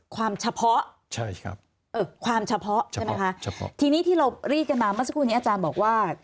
ความเฉพาะใช่ไหมคะทีนี่ที่เรารีกจะมามาสักครู่นะอาจารย์บอกว่า